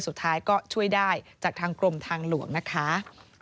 สุดท้ายก็ช่วยได้จากทางกรมทางหลวงนะคะ